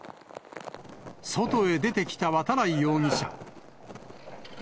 外へ出てきた渡来容疑者。